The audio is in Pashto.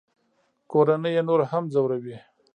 کورنۍ یې نور هم ځوروي